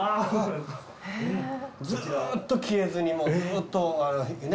ずーっと消えずにもうずーっとね。